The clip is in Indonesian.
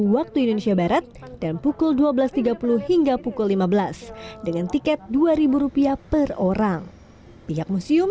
waktu indonesia barat dan pukul dua belas tiga puluh hingga pukul lima belas dengan tiket dua ribu rupiah per orang pihak museum